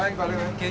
mời anh đứng đây